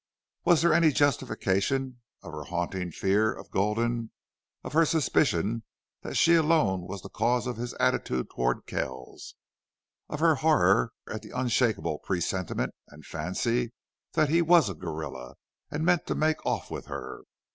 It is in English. Was there any justification of her haunting fear of Gulden of her suspicion that she alone was the cause of his attitude toward Kells of her horror at the unshakable presentiment and fancy that he was a gorilla and meant to make off with her?